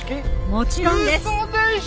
もちろんです。